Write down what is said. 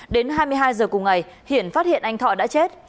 đến hai mươi hai giờ cùng ngày hiển phát hiện anh thọ đã chết